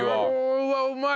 うわうまい！